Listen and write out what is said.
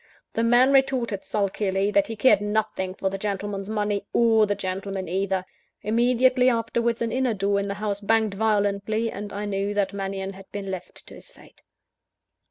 The man retorted sulkily, that he cared nothing for the gentleman's money, or the gentleman either. Immediately afterwards an inner door in the house banged violently; and I knew that Mannion had been left to his fate.